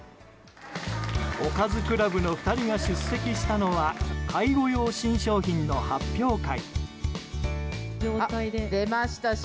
おかずクラブの２人が出席したのは介護用新商品の発表会。